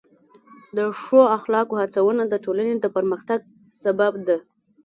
د ښو اخلاقو هڅونه د ټولنې د پرمختګ سبب ده.